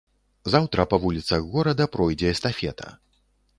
Заўтра па вуліцах горада пройдзе эстафета.